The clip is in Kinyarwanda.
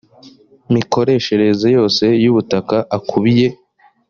mikoreshereze yose y ubutaka akubiye